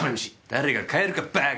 誰が帰るかバーカ！